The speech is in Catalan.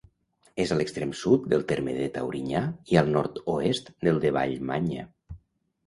És a l'extrem sud del terme de Taurinyà i al nord-oest del de Vallmanya.